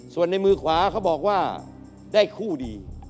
ส่วนในมือขวาเขาบอกว่าได้คู่ดี